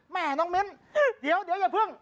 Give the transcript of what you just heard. แม่น้องมิ้นเดี๋ยวอย่าเพิ่ง